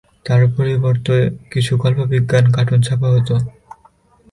তার পরিবর্তে কিছু কল্পবিজ্ঞান কার্টুন ছাপা হত।